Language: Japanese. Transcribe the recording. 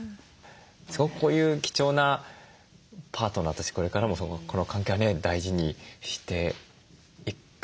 すごくこういう貴重なパートナーとしてこれからもこの関係はね大事にしていくべきものだなと感じましたね。